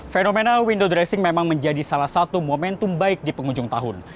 fenomena window dressing memang menjadi salah satu momentum baik di penghujung tahun